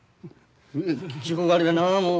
気色悪いなもう。